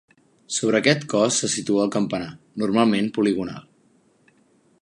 Sobre aquest cos se situa el campanar, normalment poligonal.